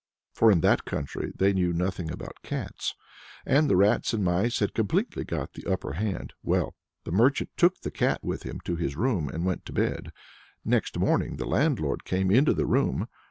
For in that country they knew nothing about cats, and the rats and mice had completely got the upper hand. Well the merchant took the cat with him to his room and went to bed. Next morning the landlord came into the room.